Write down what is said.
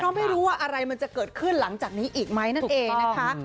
เพราะไม่รู้ว่าอะไรมันจะเกิดขึ้นหลังจากนี้อีกไหมนั่นเองนะคะ